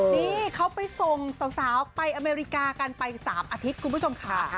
นี่เขาไปส่งสาวไปอเมริกากันไป๓อาทิตย์คุณผู้ชมค่ะ